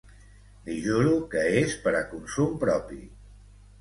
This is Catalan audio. Li juro que és per a consum propi.